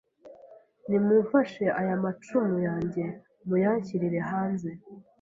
nimumfashe aya macumu yanjye muyanshyirire hanze